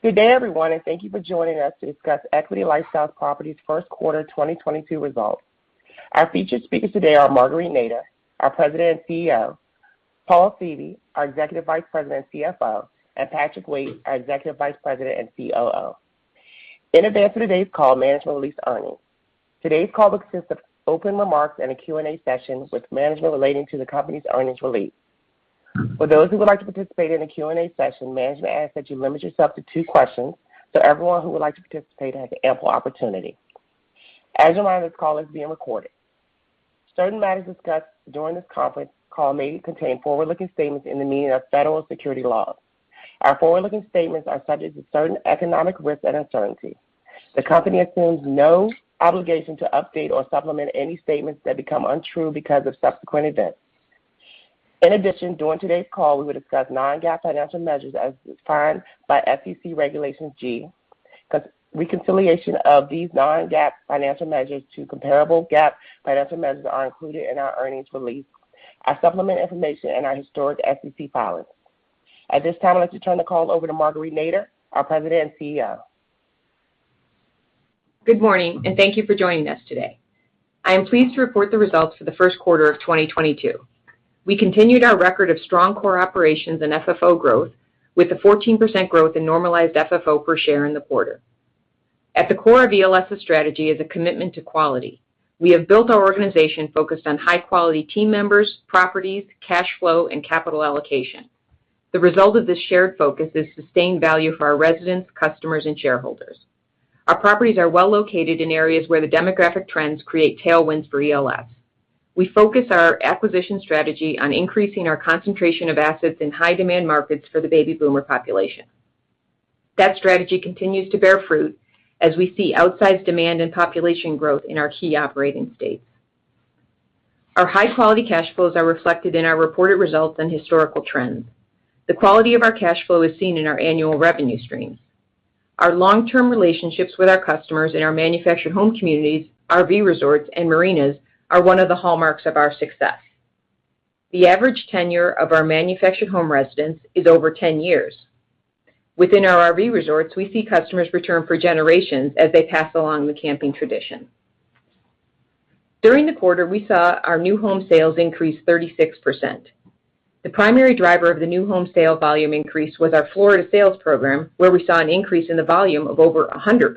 Good day, everyone, and thank you for joining us to discuss Equity LifeStyle Properties first quarter 2022 results. Our featured speakers today are Marguerite Nader, our President and CEO; Paul Seavey, our Executive Vice President and CFO; and Patrick Waite, our Executive Vice President and COO. In advance of today's call, management released earnings. Today's call consists of opening remarks and a Q and A session with management relating to the company's earnings release. For those who would like to participate in the Q and A session, management asks that you limit yourself to two questions, so everyone who would like to participate has ample opportunity. As a reminder, this call is being recorded. Certain matters discussed during this conference call may contain forward-looking statements in the meaning of federal securities laws. Our forward-looking statements are subject to certain economic risks and uncertainties. The company assumes no obligation to update or supplement any statements that become untrue because of subsequent events. In addition, during today's call, we will discuss non-GAAP financial measures as defined by SEC Regulation G. Reconciliation of these non-GAAP financial measures to comparable GAAP financial measures is included in our earnings release, our supplemental information and our historic SEC filings. At this time, I'd like to turn the call over to Marguerite Nader, our President and CEO. Good morning, and thank you for joining us today. I am pleased to report the results for the first quarter of 2022. We continued our record of strong core operations and FFO growth with a 14% growth in normalized FFO per share in the quarter. At the core of ELS's strategy is a commitment to quality. We have built our organization focused on high-quality team members, properties, cash flow, and capital allocation. The result of this shared focus is sustained value for our residents, customers, and shareholders. Our properties are well located in areas where the demographic trends create tailwinds for ELS. We focus our acquisition strategy on increasing our concentration of assets in high-demand markets for the baby boomer population. That strategy continues to bear fruit as we see outsized demand and population growth in our key operating states. Our high-quality cash flows are reflected in our reported results and historical trends. The quality of our cash flow is seen in our annual revenue streams. Our long-term relationships with our customers in our manufactured home communities, RV resorts, and marinas are one of the hallmarks of our success. The average tenure of our manufactured home residents is over 10 years. Within our RV resorts, we see customers return for generations as they pass along the camping tradition. During the quarter, we saw our new home sales increase 36%. The primary driver of the new home sale volume increase was our Florida sales program, where we saw an increase in the volume of over 100%.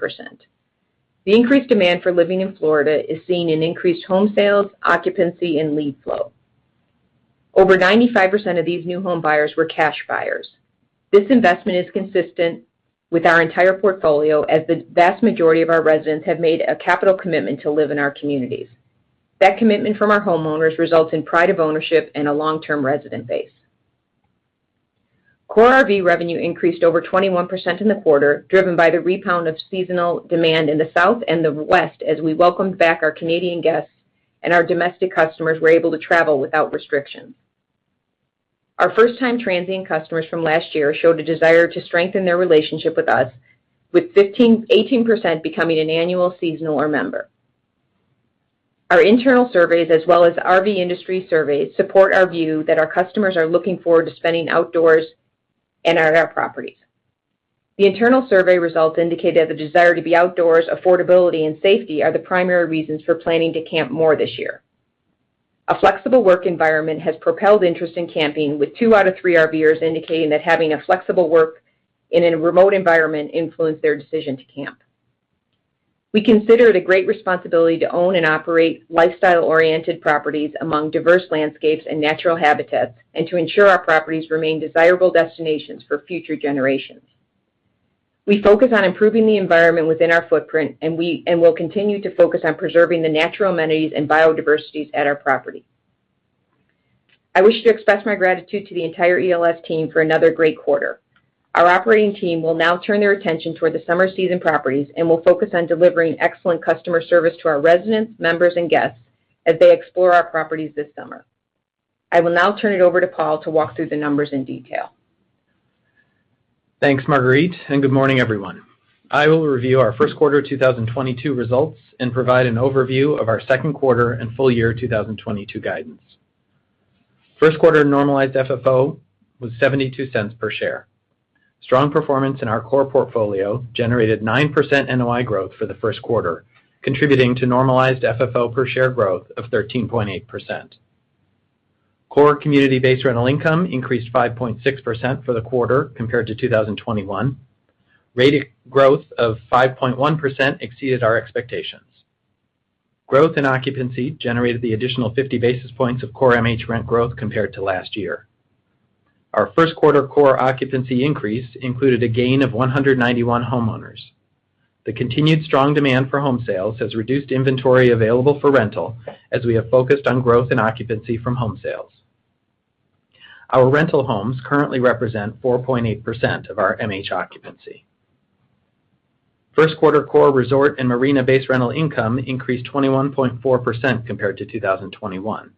The increased demand for living in Florida is seen in increased home sales, occupancy, and lead flow. Over 95% of these new home buyers were cash buyers. This investment is consistent with our entire portfolio, as the vast majority of our residents have made a capital commitment to live in our communities. That commitment from our homeowners results in pride of ownership and a long-term resident base. Core RV revenue increased over 21% in the quarter, driven by the rebound of seasonal demand in the South and the West as we welcomed back our Canadian guests and our domestic customers were able to travel without restrictions. Our first-time transient customers from last year showed a desire to strengthen their relationship with us, with 15%-18% becoming an annual, seasonal, or member. Our internal surveys, as well as RV industry surveys, support our view that our customers are looking forward to spending outdoors and at our properties. The internal survey results indicate that the desire to be outdoors, affordability, and safety are the primary reasons for planning to camp more this year. A flexible work environment has propelled interest in camping, with two out of three RVers indicating that having a flexible work in a remote environment influenced their decision to camp. We consider it a great responsibility to own and operate lifestyle-oriented properties among diverse landscapes and natural habitats and to ensure our properties remain desirable destinations for future generations. We focus on improving the environment within our footprint, and will continue to focus on preserving the natural amenities and biodiversities at our property. I wish to express my gratitude to the entire ELS team for another great quarter. Our operating team will now turn their attention toward the summer season properties and will focus on delivering excellent customer service to our residents, members, and guests as they explore our properties this summer. I will now turn it over to Paul to walk through the numbers in detail. Thanks, Marguerite, and good morning, everyone. I will review our first quarter 2022 results and provide an overview of our second quarter and full year 2022 guidance. First quarter normalized FFO was $0.72 per share. Strong performance in our core portfolio generated 9% NOI growth for the first quarter, contributing to normalized FFO per share growth of 13.8%. Core community-based rental income increased 5.6% for the quarter compared to 2021. Rate growth of 5.1% exceeded our expectations. Growth in occupancy generated the additional 50 basis points of core MH rent growth compared to last year. Our first quarter core occupancy increase included a gain of 191 homeowners. The continued strong demand for home sales has reduced inventory available for rental as we have focused on growth and occupancy from home sales. Our rental homes currently represent 4.8% of our MH occupancy. First quarter core resort and marina-based rental income increased 21.4% compared to 2021.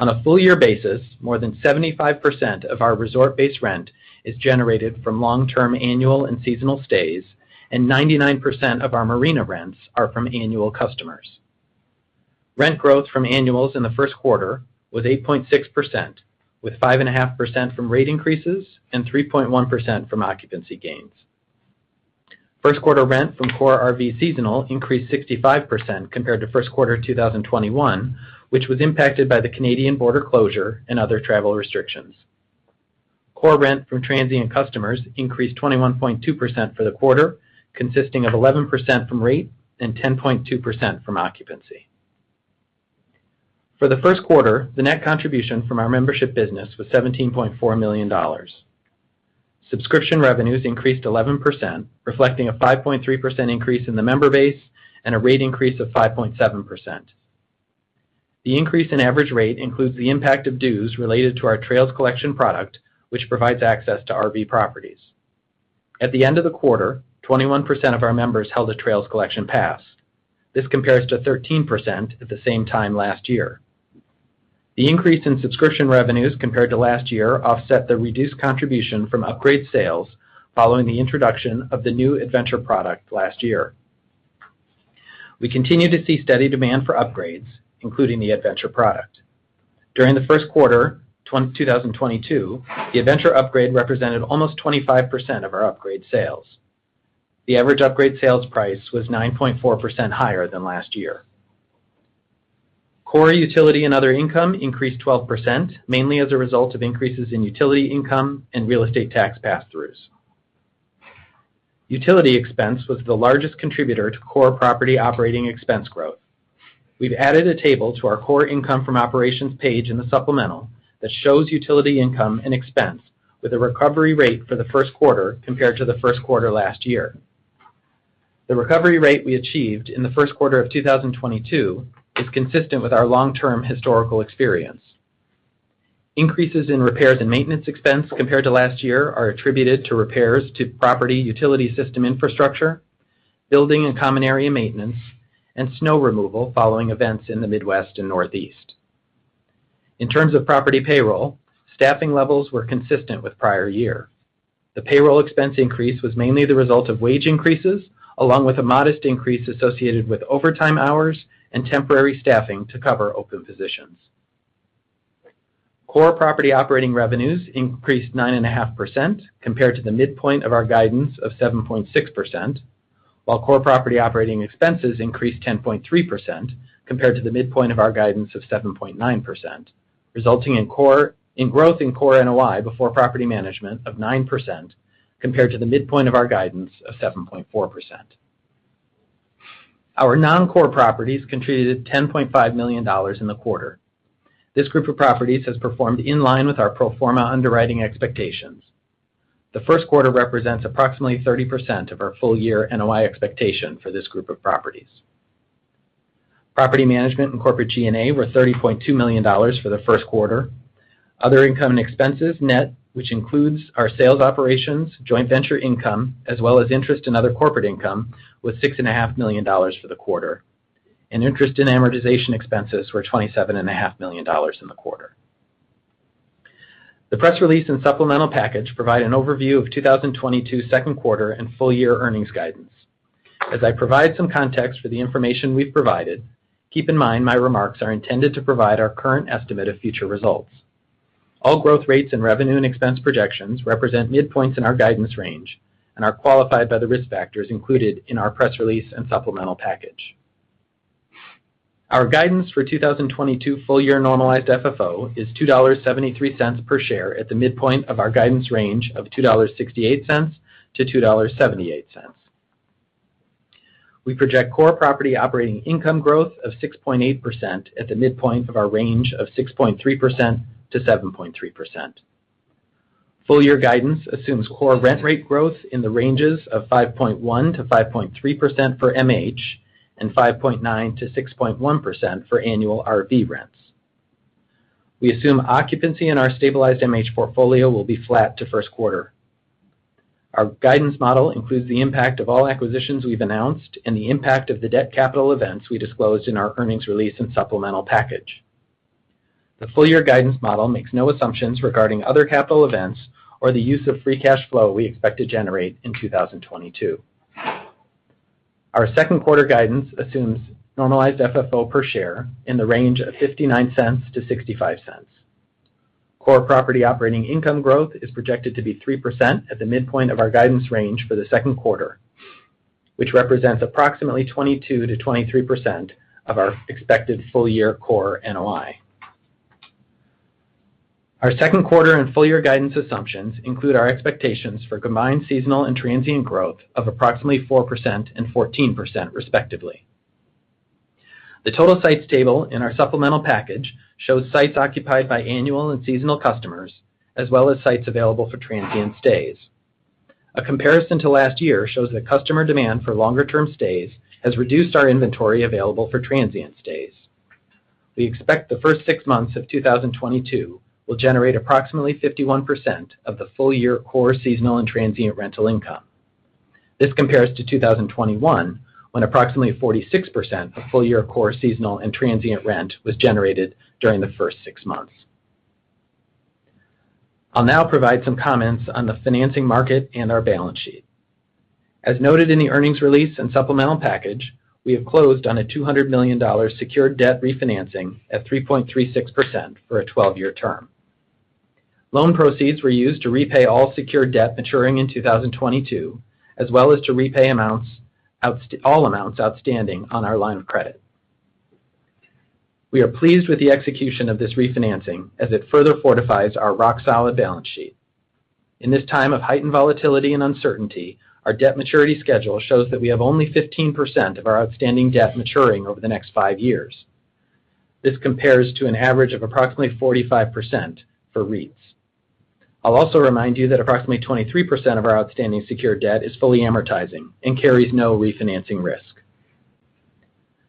On a full year basis, more than 75% of our resort-based rent is generated from long-term annual and seasonal stays, and 99% of our marina rents are from annual customers. Rent growth from annuals in the first quarter was 8.6%, with 5.5% from rate increases and 3.1% from occupancy gains. First quarter rent from core RV seasonal increased 65% compared to first quarter 2021, which was impacted by the Canadian border closure and other travel restrictions. Core rent from transient customers increased 21.2% for the quarter, consisting of 11% from rate and 10.2% from occupancy. For the first quarter, the net contribution from our membership business was $17.4 million. Subscription revenues increased 11%, reflecting a 5.3% increase in the member base and a rate increase of 5.7%. The increase in average rate includes the impact of dues related to our Trails Collection product, which provides access to RV properties. At the end of the quarter, 21% of our members held a Trails Collection pass. This compares to 13% at the same time last year. The increase in subscription revenues compared to last year offset the reduced contribution from upgrade sales following the introduction of the new Adventure product last year. We continue to see steady demand for upgrades, including the Adventure product. During the first quarter of 2022, the Adventure upgrade represented almost 25% of our upgrade sales. The average upgrade sales price was 9.4% higher than last year. Core utility and other income increased 12%, mainly as a result of increases in utility income and real estate tax passthroughs. Utility expense was the largest contributor to core property operating expense growth. We've added a table to our core income from operations page in the supplemental that shows utility income and expense with a recovery rate for the first quarter compared to the first quarter last year. The recovery rate we achieved in the first quarter of 2022 is consistent with our long-term historical experience. Increases in repairs and maintenance expense compared to last year are attributed to repairs to property utility system infrastructure, building and common area maintenance, and snow removal following events in the Midwest and Northeast. In terms of property payroll, staffing levels were consistent with prior year. The payroll expense increase was mainly the result of wage increases, along with a modest increase associated with overtime hours and temporary staffing to cover open positions. Core property operating revenues increased 9.5% compared to the midpoint of our guidance of 7.6%, while core property operating expenses increased 10.3% compared to the midpoint of our guidance of 7.9%, resulting in growth in core NOI before property management of 9% compared to the midpoint of our guidance of 7.4%. Our non-core properties contributed $10.5 million in the quarter. This group of properties has performed in line with our pro forma underwriting expectations. The first quarter represents approximately 30% of our full-year NOI expectation for this group of properties. Property management and corporate G&A were $30.2 million for the first quarter. Other income and expenses net, which includes our sales operations, joint venture income, as well as interest in other corporate income, was $6.5 million for the quarter. Interest and amortization expenses were $27.5 million in the quarter. The press release and supplemental package provide an overview of 2022 second quarter and full-year earnings guidance. As I provide some context for the information we've provided, keep in mind my remarks are intended to provide our current estimate of future results. All growth rates and revenue and expense projections represent midpoints in our guidance range and are qualified by the risk factors included in our press release and supplemental package. Our guidance for 2022 full year normalized FFO is $2.73 per share at the midpoint of our guidance range of $2.68-$2.78. We project core property operating income growth of 6.8% at the midpoint of our range of 6.3%-7.3%. Full year guidance assumes core rent rate growth in the ranges of 5.1%-5.3% for MH and 5.9%-6.1% for annual RV rents. We assume occupancy in our stabilized MH portfolio will be flat to first quarter. Our guidance model includes the impact of all acquisitions we've announced and the impact of the debt capital events we disclosed in our earnings release and supplemental package. The full year guidance model makes no assumptions regarding other capital events or the use of free cash flow we expect to generate in 2022. Our second quarter guidance assumes normalized FFO per share in the range of $0.59-$0.65. Core property operating income growth is projected to be 3% at the midpoint of our guidance range for the second quarter, which represents approximately 22%-23% of our expected full-year core NOI. Our second quarter and full-year guidance assumptions include our expectations for combined seasonal and transient growth of approximately 4% and 14% respectively. The total sites table in our supplemental package shows sites occupied by annual and seasonal customers, as well as sites available for transient stays. A comparison to last year shows that customer demand for longer-term stays has reduced our inventory available for transient stays. We expect the first six months of 2022 will generate approximately 51% of the full-year core seasonal and transient rental income. This compares to 2021, when approximately 46% of full-year core seasonal and transient rent was generated during the first six months. I'll now provide some comments on the financing market and our balance sheet. As noted in the earnings release and supplemental package, we have closed on a $200 million secured debt refinancing at 3.36% for a 12-year term. Loan proceeds were used to repay all secured debt maturing in 2022, as well as to repay all amounts outstanding on our line of credit. We are pleased with the execution of this refinancing as it further fortifies our rock-solid balance sheet. In this time of heightened volatility and uncertainty, our debt maturity schedule shows that we have only 15% of our outstanding debt maturing over the next five years. This compares to an average of approximately 45% for REITs. I'll also remind you that approximately 23% of our outstanding secured debt is fully amortizing and carries no refinancing risk.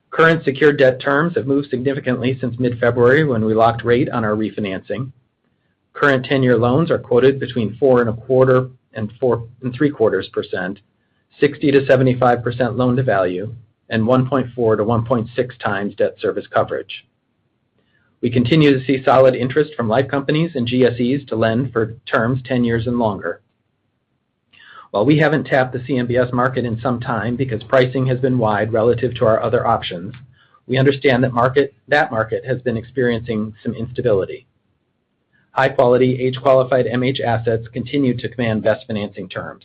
Current secured debt terms have moved significantly since mid-February when we locked rate on our refinancing. Current tenure loans are quoted between 4.25% and 4.75%, 60%-75% loan-to-value, and 1.4x to 1.6x debt service coverage. We continue to see solid interest from life companies and GSEs to lend for terms 10 years and longer. While we haven't tapped the CMBS market in some time because pricing has been wide relative to our other options, we understand that market has been experiencing some instability. High quality, age-qualified MH assets continue to command best financing terms.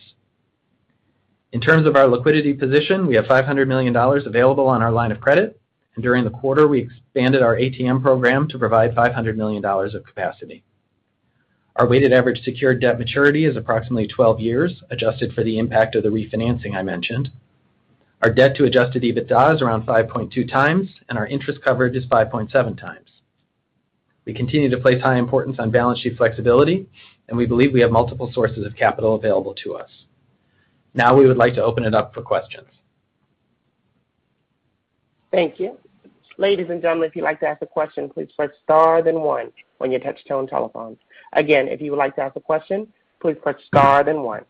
In terms of our liquidity position, we have $500 million available on our line of credit, and during the quarter, we expanded our ATM program to provide $500 million of capacity. Our weighted average secured debt maturity is approximately 12 years, adjusted for the impact of the refinancing I mentioned. Our debt to adjusted EBITDA is around 5.2x, and our interest coverage is 5.7x. We continue to place high importance on balance sheet flexibility, and we believe we have multiple sources of capital available to us. Now we would like to open it up for questions. Thank you. Ladies and gentlemen, if you'd like to ask a question, please press star then one on your touch tone telephones. Again, if you would like to ask a question, please press star then one.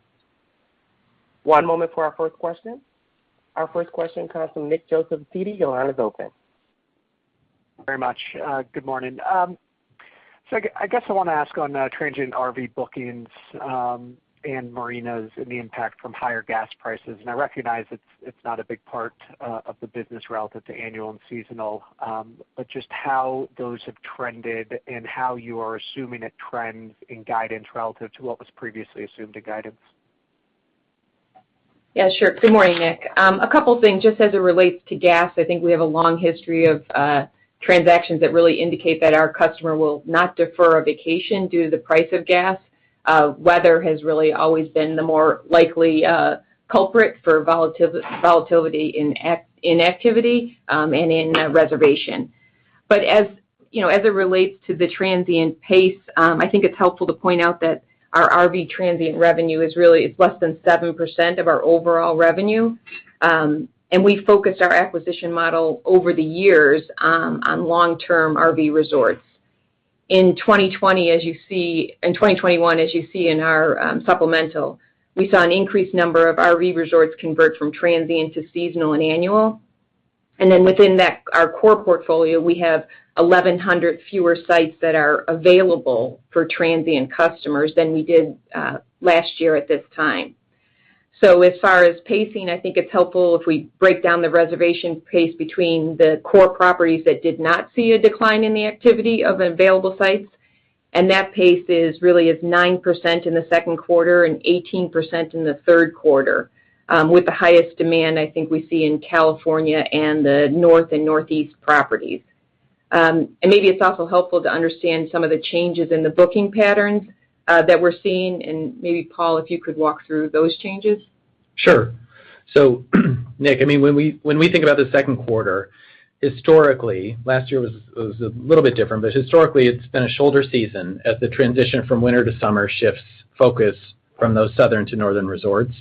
One moment for our first question. Our first question comes from Nick Joseph of Citi. Your line is open. Very much. Good morning. So I guess I wanna ask on transient RV bookings and marinas and the impact from higher gas prices. I recognize it's not a big part of the business relative to annual and seasonal, but just how those have trended and how you are assuming it trends in guidance relative to what was previously assumed in guidance. Yeah, sure. Good morning, Nick. A couple things just as it relates to gas. I think we have a long history of transactions that really indicate that our customer will not defer a vacation due to the price of gas. Weather has really always been the more likely culprit for volatility in activity and in reservation. As you know, as it relates to the transient pace, I think it's helpful to point out that our RV transient revenue is really less than 7% of our overall revenue. We focused our acquisition model over the years on long-term RV resorts. In 2021, as you see in our supplemental, we saw an increased number of RV resorts convert from transient to seasonal and annual. Within that, our core portfolio, we have 1,100 fewer sites that are available for transient customers than we did last year at this time. As far as pacing, I think it's helpful if we break down the reservation pace between the core properties that did not see a decline in the activity of available sites, and that pace is really 9% in the second quarter and 18% in the third quarter, with the highest demand I think we see in California and the North and Northeast properties. Maybe it's also helpful to understand some of the changes in the booking patterns that we're seeing, and maybe, Paul, if you could walk through those changes. Sure. Nick, I mean, when we think about the second quarter, historically, last year was a little bit different, but historically, it's been a shoulder season as the transition from winter to summer shifts focus from those southern to northern resorts.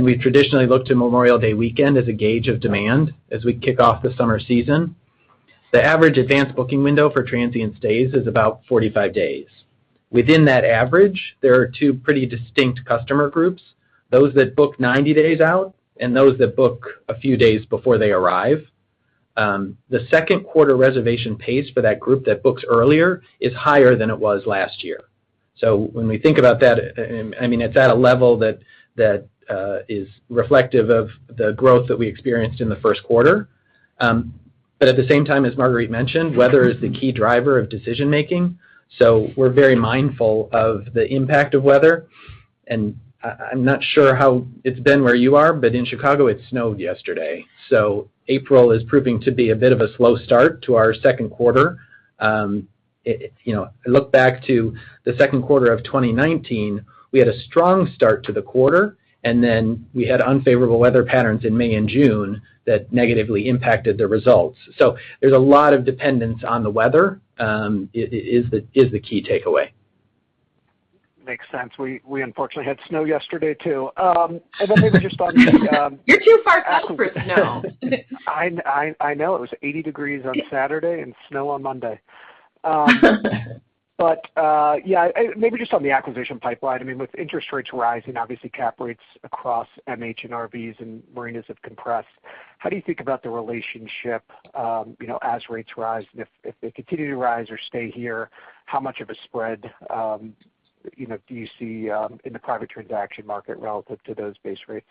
We've traditionally looked to Memorial Day weekend as a gauge of demand as we kick off the summer season. The average advanced booking window for transient stays is about 45 days. Within that average, there are two pretty distinct customer groups, those that book 90 days out and those that book a few days before they arrive. The second quarter reservation pace for that group that books earlier is higher than it was last year. When we think about that, I mean, it's at a level that is reflective of the growth that we experienced in the first quarter. At the same time, as Marguerite mentioned, weather is the key driver of decision-making, so we're very mindful of the impact of weather. I'm not sure how it's been where you are, but in Chicago, it snowed yesterday. April is proving to be a bit of a slow start to our second quarter. You know, look back to the second quarter of 2019, we had a strong start to the quarter, and then we had unfavorable weather patterns in May and June that negatively impacted the results. There's a lot of dependence on the weather is the key takeaway. Makes sense. We unfortunately had snow yesterday, too. Maybe just on the You're too far south for snow. I know. It was 80 degrees on Saturday and snow on Monday. Maybe just on the acquisition pipeline, I mean, with interest rates rising, obviously cap rates across MH and RVs and marinas have compressed. How do you think about the relationship, you know, as rates rise? If they continue to rise or stay here, how much of a spread, you know, do you see in the private transaction market relative to those base rates?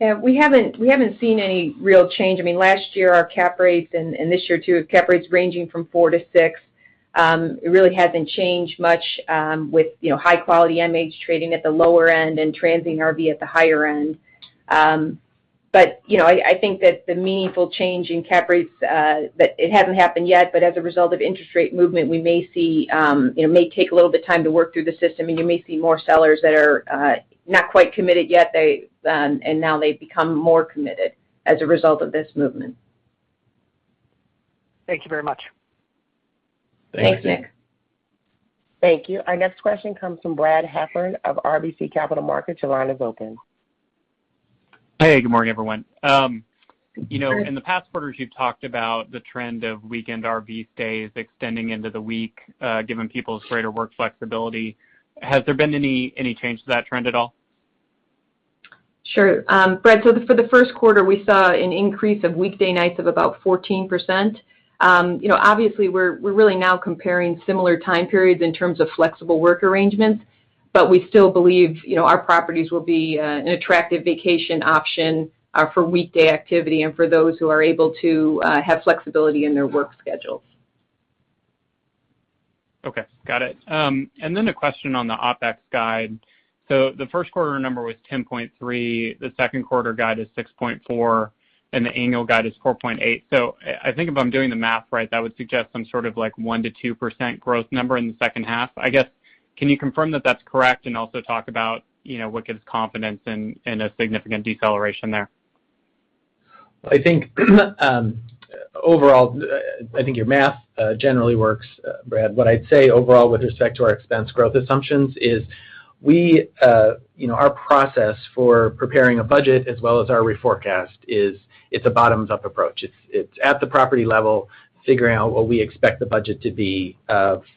Yeah. We haven't seen any real change. I mean, last year our cap rates and this year too have cap rates ranging from 4%-6%. It really hasn't changed much with you know high quality MH trading at the lower end and transient RV at the higher end. You know I think that the meaningful change in cap rates hasn't happened yet but as a result of interest rate movement we may see. It may take a little bit of time to work through the system and you may see more sellers that are not quite committed yet and now they've become more committed as a result of this movement. Thank you very much. Thanks, Nick. Thank you. Our next question comes from Brad Heffern of RBC Capital Markets. Your line is open. Hey, good morning, everyone. You know, in the past quarters, you've talked about the trend of weekend RV stays extending into the week, given people's greater work flexibility. Has there been any change to that trend at all? Sure. Brad, for the first quarter, we saw an increase of weekday nights of about 14%. You know, obviously, we're really now comparing similar time periods in terms of flexible work arrangements, but we still believe, you know, our properties will be an attractive vacation option for weekday activity and for those who are able to have flexibility in their work schedules. Okay. Got it. A question on the OpEx guide. The first quarter number was $10.3, the second quarter guide is $6.4, and the annual guide is $4.8. I think if I'm doing the math right, that would suggest some sort of, like, 1%-2% growth number in the second half. I guess, can you confirm that that's correct, and also talk about, you know, what gives confidence in a significant deceleration there? I think overall your math generally works, Brad. What I'd say overall with respect to our expense growth assumptions is we you know our process for preparing a budget as well as our reforecast is it's a bottoms-up approach. It's at the property level figuring out what we expect the budget to be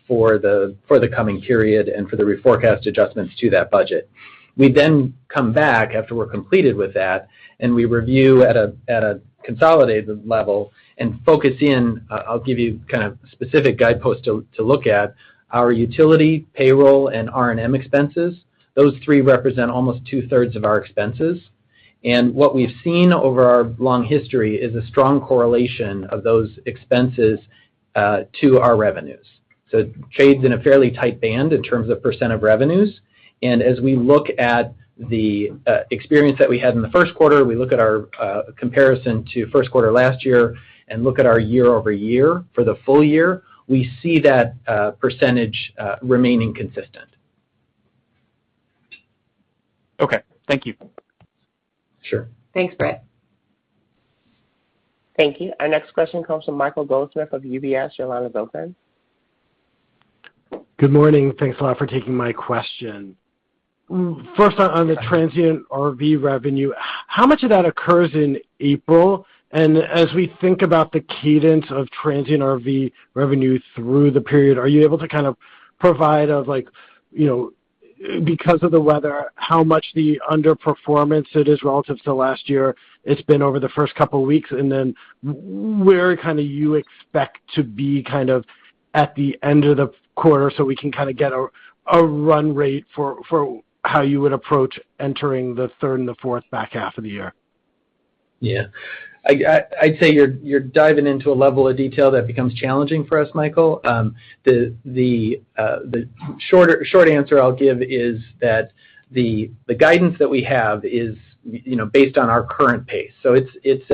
for the coming period and for the reforecast adjustments to that budget. We then come back after we're completed with that, and we review at a consolidated level and focus in. I'll give you kind of specific guideposts to look at our utility, payroll, and R&M expenses. Those three represent almost two-thirds of our expenses. What we've seen over our long history is a strong correlation of those expenses to our revenues. It trades in a fairly tight band in terms of percent of revenues. As we look at the experience that we had in the first quarter, we look at our comparison to first quarter last year and look at our year-over-year for the full year, we see that percentage remaining consistent. Okay. Thank you. Sure. Thanks, Brad. Thank you. Our next question comes from Michael Goldsmith of UBS. Your line is open. Good morning. Thanks a lot for taking my question. First, on the transient RV revenue, how much of that occurs in April? As we think about the cadence of transient RV revenue through the period, are you able to kind of provide of like, you know, because of the weather, how much the underperformance it is relative to last year it's been over the first couple weeks? Where kinda you expect to be kind of at the end of the quarter so we can kinda get a run rate for how you would approach entering the third and the fourth back half of the year? Yeah. I'd say you're diving into a level of detail that becomes challenging for us, Michael. The short answer I'll give is that the guidance that we have is, you know, based on our current pace. It's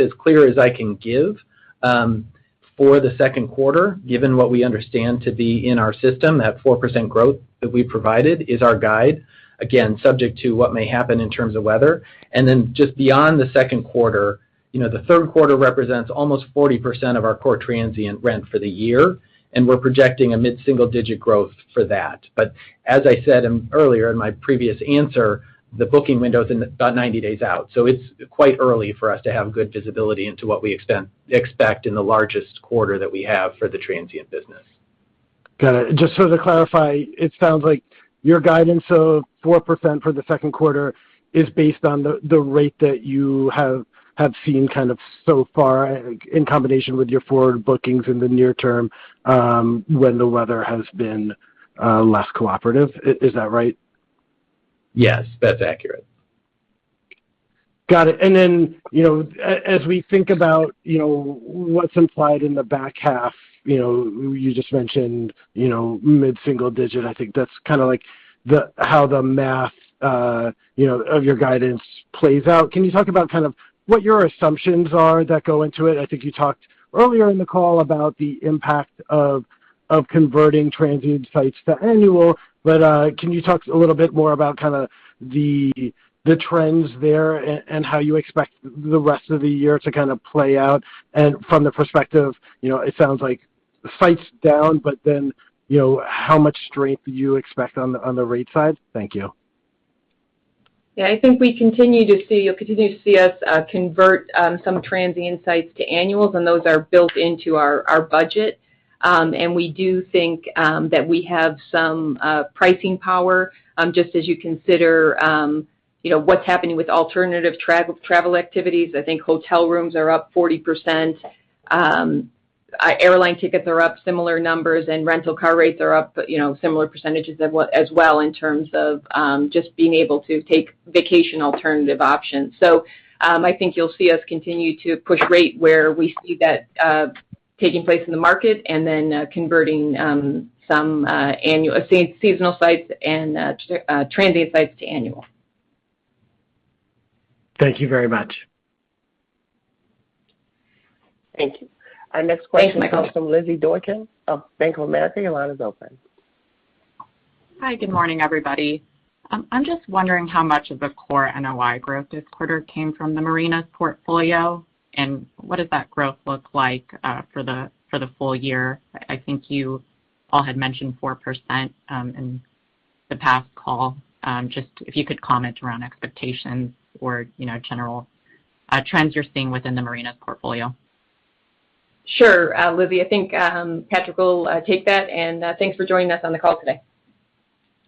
as clear as I can give for the second quarter, given what we understand to be in our system. That 4% growth that we provided is our guide, again, subject to what may happen in terms of weather. Then just beyond the second quarter, you know, the third quarter represents almost 40% of our core transient rent for the year, and we're projecting a mid-single digit growth for that. As I said earlier in my previous answer, the booking window's in about 90 days out, so it's quite early for us to have good visibility into what we expect in the largest quarter that we have for the transient business. Got it. Just so to clarify, it sounds like your guidance of 4% for the second quarter is based on the rate that you have seen kind of so far, in combination with your forward bookings in the near term, when the weather has been less cooperative. Is that right? Yes, that's accurate. Got it. You know, as we think about, you know, what's implied in the back half, you know, you just mentioned, you know, mid-single digit. I think that's kinda like the, how the math, you know, of your guidance plays out. Can you talk about kind of what your assumptions are that go into it? I think you talked earlier in the call about the impact of converting transient sites to annual, but can you talk a little bit more about kinda the trends there and how you expect the rest of the year to kinda play out and from the perspective, you know, it sounds like sites down, but then, you know, how much strength do you expect on the rate side? Thank you. Yeah. I think we continue to see, you'll continue to see us convert some transient sites to annuals, and those are built into our budget. We do think that we have some pricing power, just as you consider, you know, what's happening with alternative travel activities. I think hotel rooms are up 40%. Airline tickets are up similar numbers, and rental car rates are up, you know, similar percentages as well in terms of just being able to take vacation alternative options. I think you'll see us continue to push rate where we see that taking place in the market and then converting some annual, seasonal sites and transient sites to annual. Thank you very much. Thank you. Thank you, Michael. Our next question comes from Lizzie Dworkin of Bank of America. Your line is open. Hi. Good morning, everybody. I'm just wondering how much of the core NOI growth this quarter came from the marinas portfolio, and what does that growth look like for the full year? I think you all had mentioned 4% in the past call. Just if you could comment around expectations or, you know, general trends you're seeing within the marinas portfolio. Sure. Lizzie, I think, Patrick will take that, and thanks for joining us on the call today.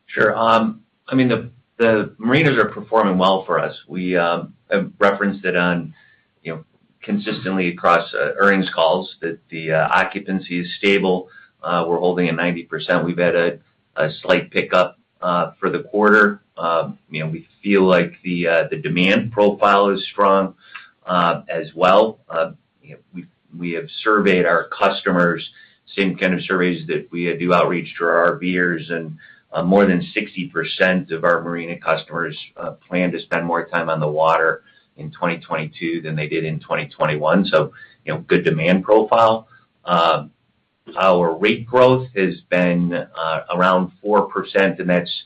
Sure. I mean, the marinas are performing well for us. We have referenced it on, you know, consistently across earnings calls that the occupancy is stable. We're holding at 90%. We've had a slight pickup for the quarter. You know, we feel like the demand profile is strong as well. You know, we have surveyed our customers, same kind of surveys that we do outreach to our RV-ers, and more than 60% of our marina customers plan to spend more time on the water in 2022 than they did in 2021, so, you know, good demand profile. Our rate growth has been around 4%, and that's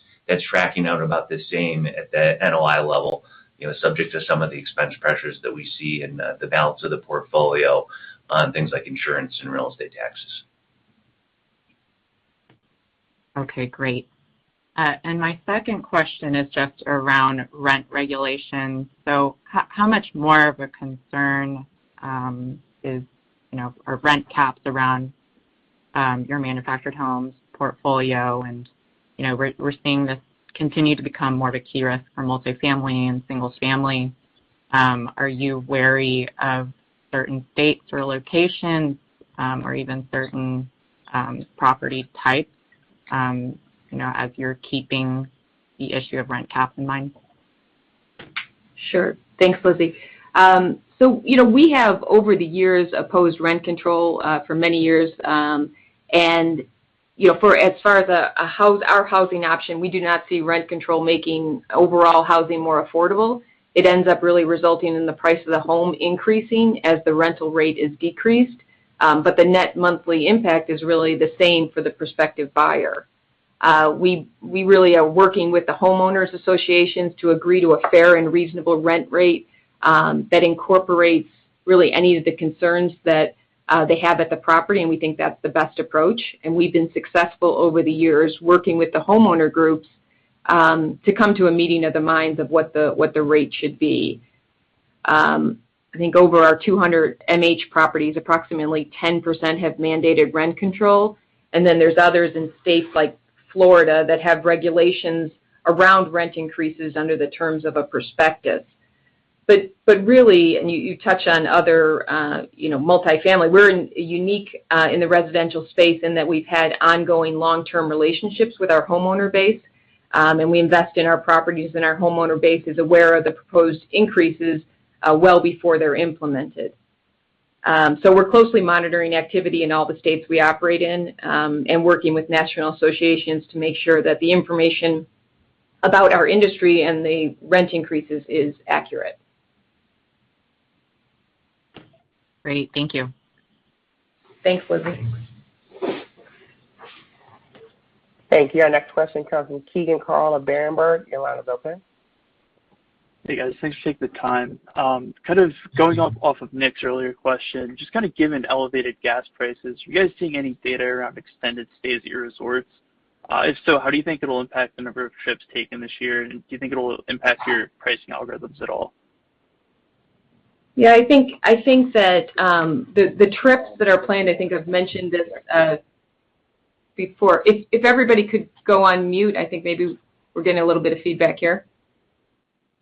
tracking out about the same at the NOI level, you know, subject to some of the expense pressures that we see in the balance of the portfolio on things like insurance and real estate taxes. Okay. Great. My second question is just around rent regulation. How much more of a concern, you know, are rent caps around your manufactured homes portfolio? You know, we're seeing this continue to become more of a key risk for multifamily and single family. Are you wary of certain states or locations, or even certain property types, you know, as you're keeping the issue of rent caps in mind? Sure. Thanks, Lizzie. You know, we have over the years opposed rent control for many years. You know, for as far as our housing option, we do not see rent control making overall housing more affordable. It ends up really resulting in the price of the home increasing as the rental rate is decreased. The net monthly impact is really the same for the prospective buyer. We really are working with the homeowners associations to agree to a fair and reasonable rent rate that incorporates really any of the concerns that they have at the property, and we think that's the best approach. We've been successful over the years working with the homeowner groups to come to a meeting of the minds of what the rate should be. I think over our 200 MH properties, approximately 10% have mandated rent control, and then there's others in states like Florida that have regulations around rent increases under the terms of a prospectus. Really, and you touch on other, you know, multifamily. We're unique in the residential space in that we've had ongoing long-term relationships with our homeowner base, and we invest in our properties, and our homeowner base is aware of the proposed increases well before they're implemented. We're closely monitoring activity in all the states we operate in, and working with national associations to make sure that the information about our industry and the rent increases is accurate. Great. Thank you. Thanks, Lizzie. Thank you. Our next question comes from Keegan Carl of Berenberg. Your line is open. Hey, guys. Thanks for taking the time. Kind of going off of Nick's earlier question, just kind of given elevated gas prices, are you guys seeing any data around extended stays at your resorts? If so, how do you think it'll impact the number of trips taken this year, and do you think it'll impact your pricing algorithms at all? Yeah. I think that the trips that are planned, I think I've mentioned this before. If everybody could go on mute, I think maybe we're getting a little bit of feedback here.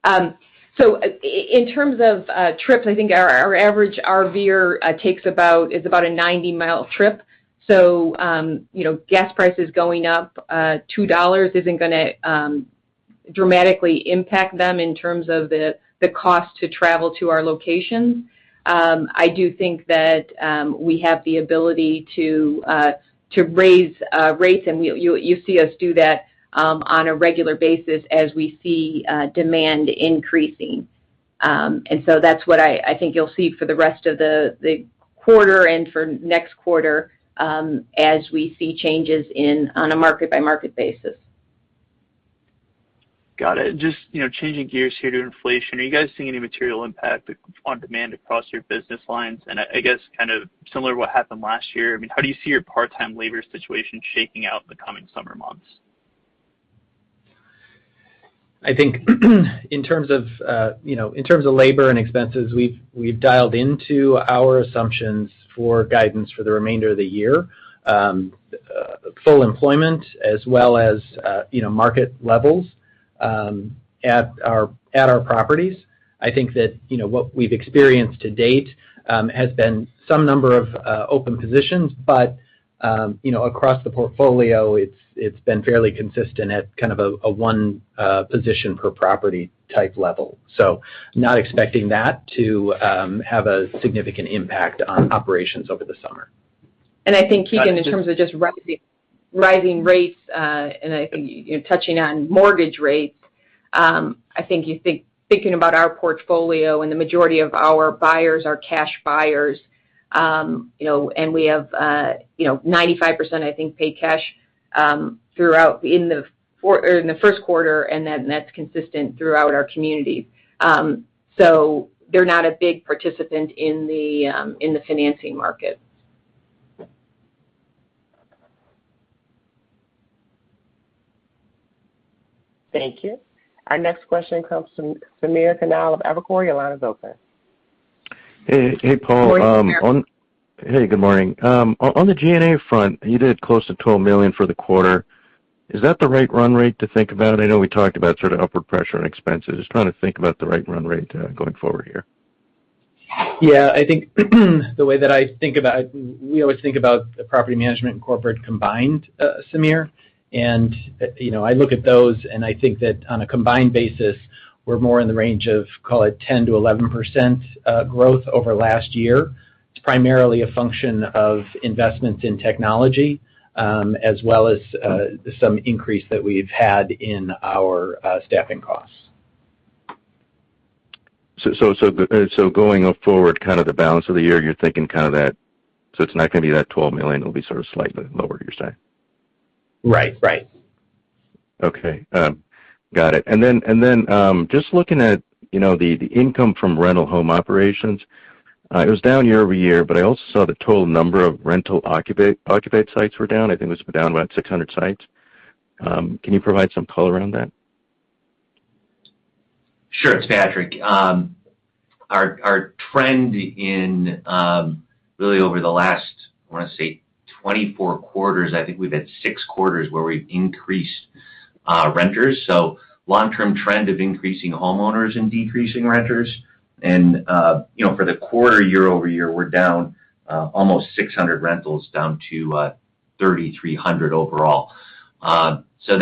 In terms of trips, I think our average RVer is about a 90-mile trip. You know, gas prices going up $2 isn't gonna dramatically impact them in terms of the cost to travel to our locations. I do think that we have the ability to raise rates, and you'll see us do that on a regular basis as we see demand increasing. That's what I think you'll see for the rest of the quarter and for next quarter as we see changes in... on a market-by-market basis. Got it. Just, you know, changing gears here to inflation. Are you guys seeing any material impact on demand across your business lines? I guess kind of similar to what happened last year, I mean, how do you see your part-time labor situation shaking out in the coming summer months? I think in terms of, you know, in terms of labor and expenses, we've dialed into our assumptions for guidance for the remainder of the year. Full employment as well as, you know, market levels at our properties. I think that, you know, what we've experienced to date has been some number of open positions. You know, across the portfolio, it's been fairly consistent at kind of a one position per property type level. Not expecting that to have a significant impact on operations over the summer. I think, Keegan, in terms of just rising rates, and I think, you know, touching on mortgage rates, I think thinking about our portfolio and the majority of our buyers are cash buyers. You know, and we have, you know, 95%, I think, pay cash, throughout in the first quarter, and then that's consistent throughout our communities. They're not a big participant in the financing market. Thank you. Our next question comes from Samir Khanal of Evercore. Your line is open. Hey, hey Paul. Go ahead, Samir. Hey, good morning. On the G&A front, you did close to $12 million for the quarter. Is that the right run rate to think about? I know we talked about sort of upward pressure on expenses. Just trying to think about the right run rate going forward here. We always think about the property management and corporate combined, Samir. You know, I look at those, and I think that on a combined basis, we're more in the range of, call it, 10%-11% growth over last year. It's primarily a function of investments in technology, as well as some increase that we've had in our staffing costs. going forward, kind of the balance of the year, you're thinking kind of that it's not gonna be that $12 million, it'll be sort of slightly lower, you're saying? Right. Right. Okay. Got it. Just looking at, you know, the income from rental home operations, it was down year-over-year, but I also saw the total number of rental occupied sites were down. I think it was down by about 600 sites. Can you provide some color around that? Sure. It's Patrick. Our trend in really over the last, I wanna say, 24 quarters, I think we've had six quarters where we've increased renters. Long-term trend of increasing homeowners and decreasing renters. You know, for the quarter year-over-year, we're down almost 600 rentals down to 3,300 overall. You know,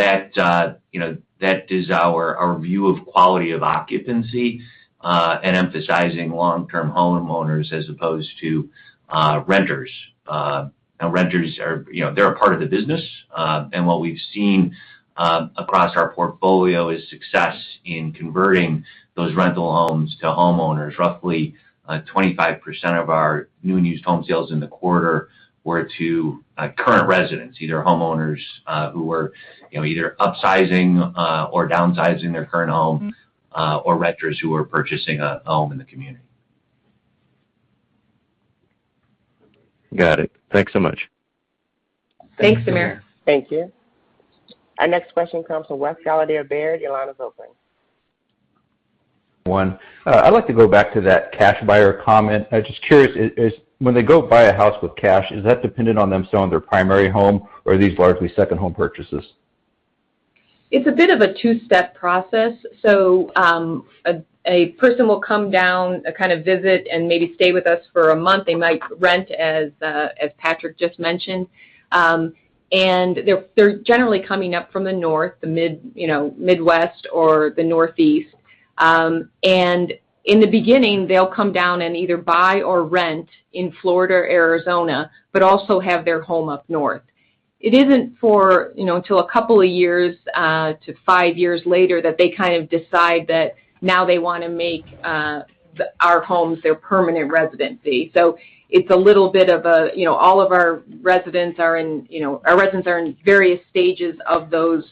that is our view of quality of occupancy and emphasizing long-term homeowners as opposed to renters. Now, renters are, you know, they're a part of the business. What we've seen across our portfolio is success in converting those rental homes to homeowners. Roughly, 25% of our new and used home sales in the quarter were to current residents, either homeowners who were, you know, either upsizing or downsizing their current home, or renters who were purchasing a home in the community. Got it. Thanks so much. Thanks, Samir. Thank you. Our next question comes from Wes Golladay. Your line is open. One. I'd like to go back to that cash buyer comment. I'm just curious. Is when they go buy a house with cash, is that dependent on them selling their primary home, or are these largely second home purchases? It's a bit of a two-step process. A person will come down kind of visit and maybe stay with us for a month. They might rent, as Patrick just mentioned. They're generally coming up from the North, you know, the Midwest or the Northeast. In the beginning, they'll come down and either buy or rent in Florida or Arizona, but also have their home up North. It isn't, you know, till a couple of years to five years later that they kind of decide that now they wanna make our homes their permanent residency. It's a little bit of a, you know, all of our residents are in, you know, our residents are in various stages of those,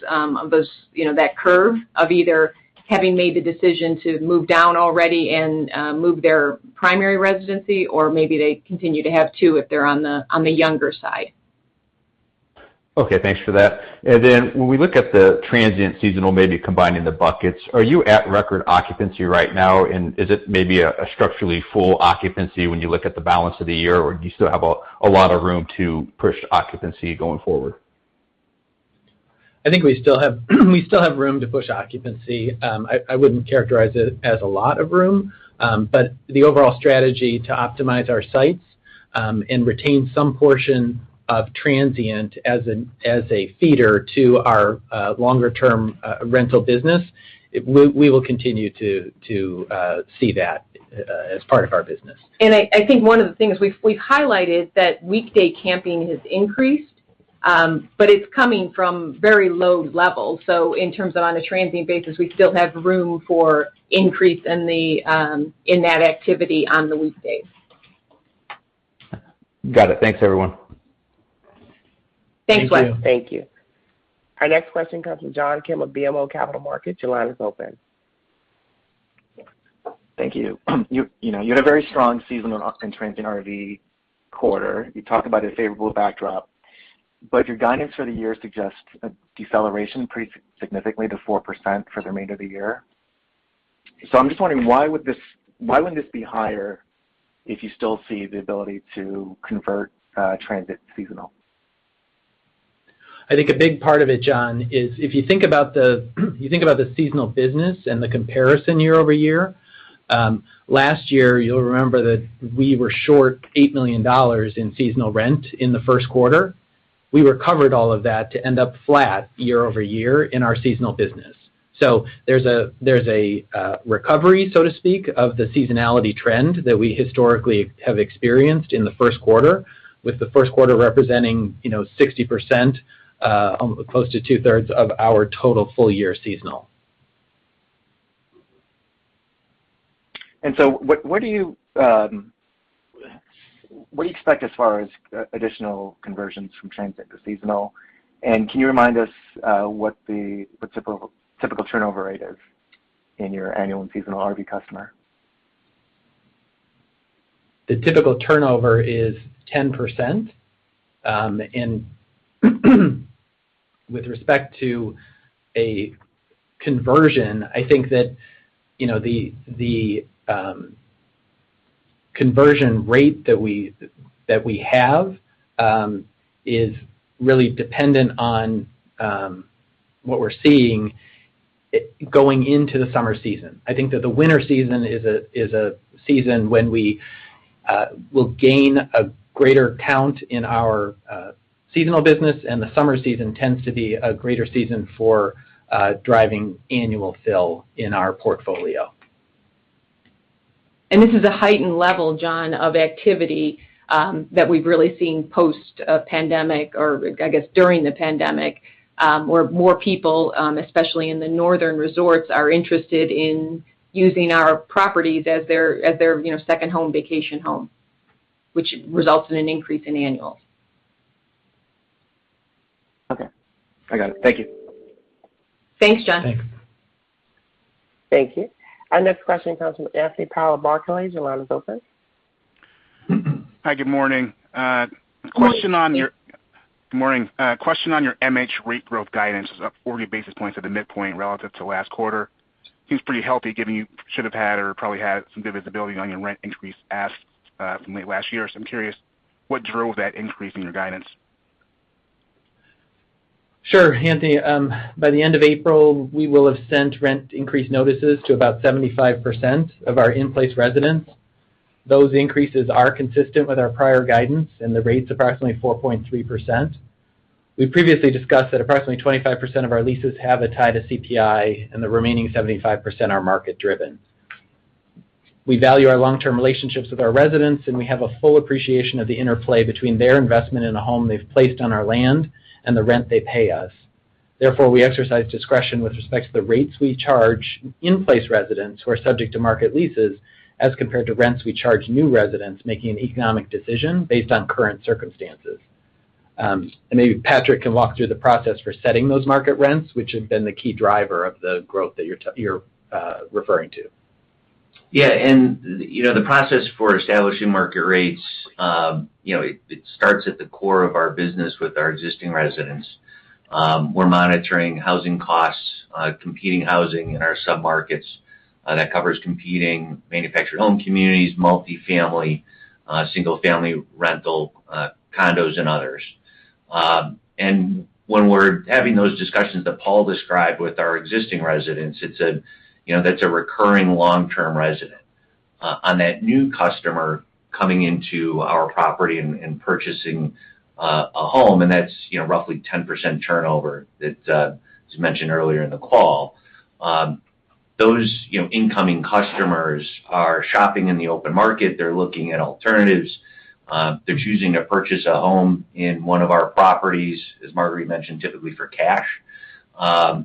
you know, that curve of either having made the decision to move down already and move their primary residency or maybe they continue to have two if they're on the younger side. Okay. Thanks for that. When we look at the transient seasonal, maybe combining the buckets, are you at record occupancy right now? Is it maybe a structurally full occupancy when you look at the balance of the year, or do you still have a lot of room to push occupancy going forward? I think we still have room to push occupancy. I wouldn't characterize it as a lot of room. The overall strategy to optimize our sites and retain some portion of transient as a feeder to our longer term rental business, we will continue to see that as part of our business. I think one of the things we've highlighted that weekday camping has increased, but it's coming from very low levels. In terms of on a transient basis, we still have room for increase in that activity on the weekdays. Got it. Thanks, everyone. Thanks, Wes. Thank you. Our next question comes from John Kim of BMO Capital Markets. Your line is open. Thank you. You know, you had a very strong seasonal and transient RV quarter. You talked about a favorable backdrop. Your guidance for the year suggests a deceleration pretty significantly to 4% for the remainder of the year. I'm just wondering why wouldn't this be higher if you still see the ability to convert transient to seasonal? I think a big part of it, John, is if you think about the seasonal business and the comparison year-over-year, last year, you'll remember that we were short $8 million in seasonal rent in the first quarter. We recovered all of that to end up flat year-over-year in our seasonal business. There's a recovery, so to speak, of the seasonality trend that we historically have experienced in the first quarter, with the first quarter representing, you know, 60%, close to 2/3 of our total full-year seasonal. What do you expect as far as additional conversions from transient to seasonal? Can you remind us what the typical turnover rate is in your annual and seasonal RV customer? The typical turnover is 10%. With respect to a conversion, I think that, you know, the conversion rate that we have is really dependent on what we're seeing going into the summer season. I think that the winter season is a season when we will gain a greater count in our seasonal business, and the summer season tends to be a greater season for driving annual fill in our portfolio. This is a heightened level, John, of activity that we've really seen post-pandemic or I guess during the pandemic, where more people, especially in the northern resorts, are interested in using our properties as their, you know, second home vacation home, which results in an increase in annuals. Okay. I got it. Thank you. Thanks, John. Thanks. Thank you. Our next question comes from Anthony Powell of Barclays. Your line is open. Hi. Good morning. Question on your- Good morning. Good morning. Question on your MH rate growth guidance is up 40 basis points at the midpoint relative to last quarter. Seems pretty healthy given you should have had or probably had some visibility on your rent increase asks from late last year. I'm curious what drove that increase in your guidance? Sure, Anthony. By the end of April, we will have sent rent increase notices to about 75% of our in-place residents. Those increases are consistent with our prior guidance, and the rate's approximately 4.3%. We previously discussed that approximately 25% of our leases have a tie to CPI and the remaining 75% are market-driven. We value our long-term relationships with our residents, and we have a full appreciation of the interplay between their investment in a home they've placed on our land and the rent they pay us. Therefore, we exercise discretion with respect to the rates we charge in-place residents who are subject to market leases as compared to rents we charge new residents making an economic decision based on current circumstances. Maybe Patrick can walk through the process for setting those market rents, which have been the key driver of the growth that you're referring to. Yeah. You know, the process for establishing market rates, you know, it starts at the core of our business with our existing residents. We're monitoring housing costs, competing housing in our submarkets, that covers competing manufactured home communities, multifamily, single-family rental, condos and others. When we're having those discussions that Paul described with our existing residents, it's a, you know, that's a recurring long-term resident. On that new customer coming into our property and purchasing a home, and that's, you know, roughly 10% turnover that, as mentioned earlier in the call, those, you know, incoming customers are shopping in the open market. They're looking at alternatives. They're choosing to purchase a home in one of our properties, as Marguerite mentioned, typically for cash. They're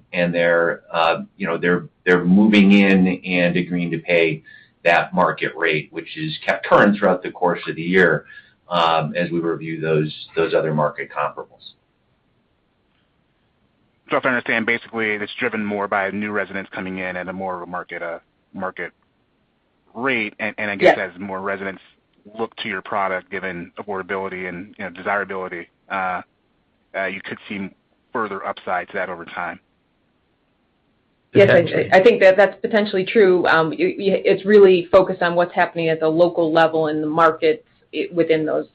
moving in and agreeing to pay that market rate, which is kept current throughout the course of the year, as we review those other market comparables. If I understand, basically, it's driven more by new residents coming in at a more of a market rate. Yes. I guess as more residents look to your product, given affordability and, you know, desirability, you could see further upside to that over time. Yes. I think that's potentially true. It's really focused on what's happening at the local level in the markets within those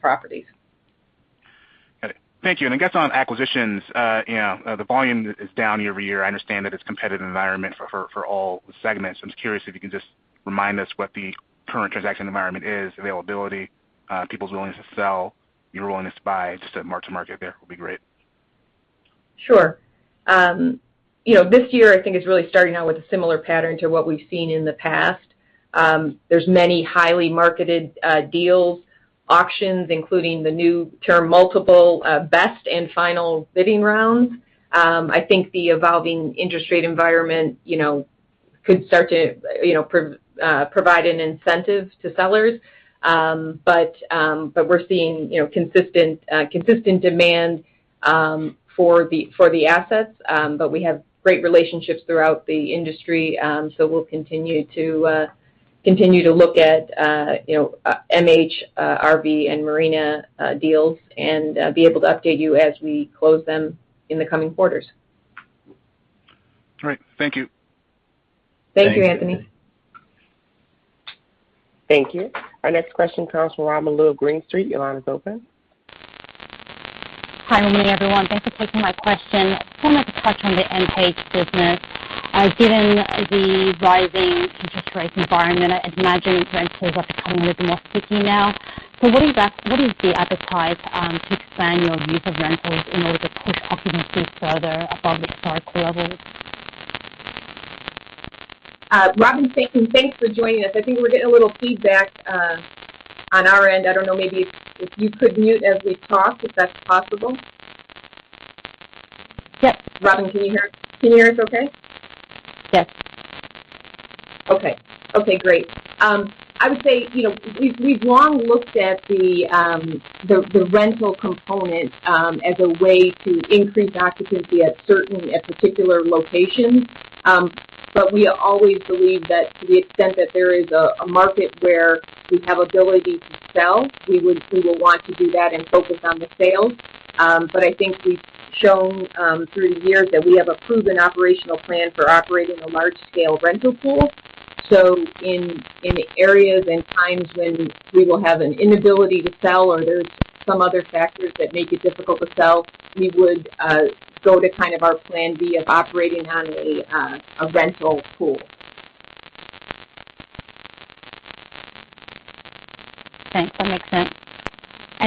properties. Got it. Thank you. I guess on acquisitions, you know, the volume is down year-over-year. I understand that it's competitive environment for all segments. I'm just curious if you can just remind us what the current transaction environment is, availability, people's willingness to sell, your willingness to buy, just a mark-to-market there would be great. Sure. You know, this year, I think is really starting out with a similar pattern to what we've seen in the past. There's many highly marketed deals, auctions, including the new term multiple best and final bidding rounds. I think the evolving interest rate environment, you know, could start to, you know, provide an incentive to sellers. We're seeing, you know, consistent demand for the assets. We have great relationships throughout the industry, so we'll continue to Continue to look at, you know, MH, RV, and marina deals and be able to update you as we close them in the coming quarters. All right. Thank you. Thank you, Anthony. Thank you. Our next question comes from Robin Lu of Green Street. Your line is open. Hi, good morning, everyone. Thanks for taking my question. Kind of a question on the MH business. Given the rising interest rate environment, I imagine rentals are becoming a little more sticky now. What is the appetite to expand your use of rentals in order to push occupancy further above the star core levels? Robin, thank you. Thanks for joining us. I think we're getting a little feedback on our end. I don't know, maybe if you could mute as we talk, if that's possible. Yes. Robin, can you hear us okay? Yes. Okay, great. I would say, you know, we've long looked at the rental component as a way to increase occupancy at particular locations. But we always believe that to the extent that there is a market where we have ability to sell, we will want to do that and focus on the sales. But I think we've shown through the years that we have a proven operational plan for operating a large scale rental pool. In areas and times when we will have an inability to sell or there's some other factors that make it difficult to sell, we would go to kind of our plan B of operating on a rental pool. Thanks. That makes sense.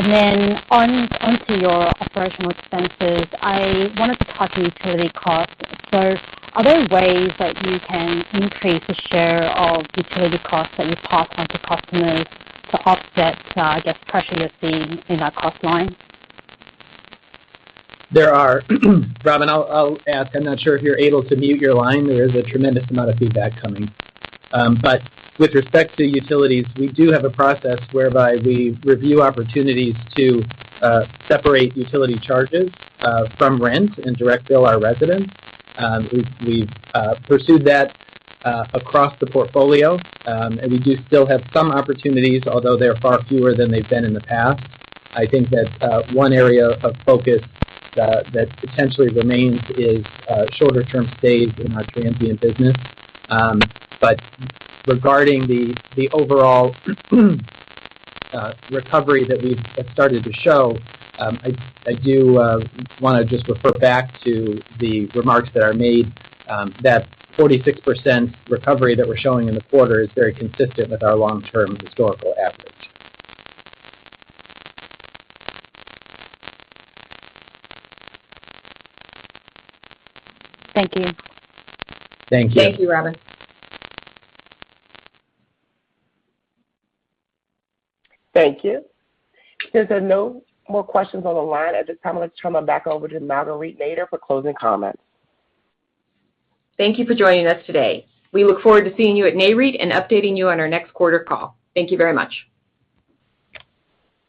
Then on into your operational expenses, I wanted to talk utility costs. Are there ways that you can increase the share of utility costs that you pass on to customers to offset, I guess, pressure you're seeing in that cost line? There are. Robin, I'll ask. I'm not sure if you're able to mute your line. There is a tremendous amount of feedback coming. With respect to utilities, we do have a process whereby we review opportunities to separate utility charges from rent and direct bill our residents. We've pursued that across the portfolio, and we do still have some opportunities, although they're far fewer than they've been in the past. I think that one area of focus that potentially remains is shorter term stays in our transient business. Regarding the overall recovery that we've started to show, I do wanna just refer back to the remarks that are made, that 46% recovery that we're showing in the quarter is very consistent with our long-term historical average. Thank you. Thank you. Thank you, Robin. Thank you. Since there are no more questions on the line, at this time, let's turn them back over to Marguerite Nader for closing comments. Thank you for joining us today. We look forward to seeing you at Nareit and updating you on our next quarter call. Thank you very much.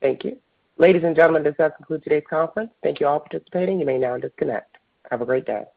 Thank you. Ladies and gentlemen, this does conclude today's conference. Thank you all for participating. You may now disconnect. Have a great day.